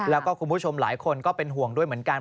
แล้วก็คุณผู้ชมหลายคนก็เป็นห่วงด้วยเหมือนกัน